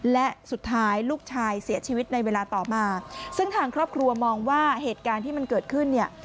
และสุดท้ายลูกชายเสียชีวิตในเวลาต่อมาซึ่งทางครอบครัวมองว่าเหตุการณ์ที่มันเกิดขึ้นเนี่ย